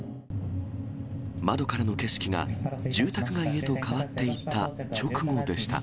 窓からの景色が住宅街へと変わっていった直後でした。